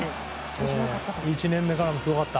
１年目からすごかった。